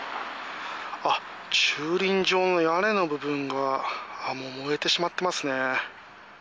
あっ、駐輪場の屋根の部分が燃えてしまってますね。